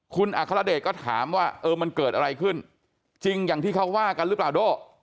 คุณอัครเดชก็ถามว่าเออมันเกิดอะไรขึ้นจริงอย่างที่เขาว่ากันหรือเปล่าโด่